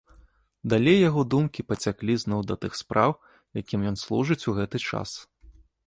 Далей яго думкі пацяклі зноў да тых спраў, якім ён служыць у гэты час.